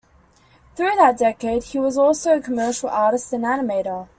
Through that decade, he was also a commercial artist and animator.